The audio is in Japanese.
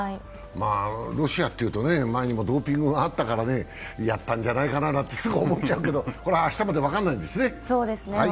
ロシアというと前にもドーピングがあったからやったんじゃないかななんて、すぐ思っちゃうけど、これは明日まで分からないんですね。